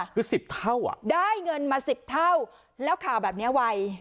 หรือสิบเท่าอ่ะได้เงินมาสิบเท่าแล้วข่าวแบบเนี้ยไว